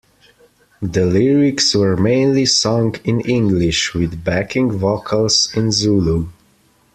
The lyrics were mainly sung in English, with backing vocals in Zulu.